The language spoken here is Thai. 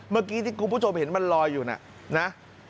เมื่อกี้ที่คุณผู้ชมเห็นมันลอยอยู่นะ